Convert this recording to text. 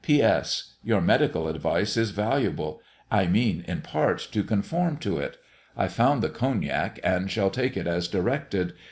P.S. Your medical advice is valuable; I mean, in part, to conform to it. I found the Cognac, and shall take it as directed.